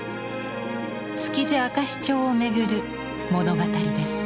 「築地明石町」をめぐる物語です。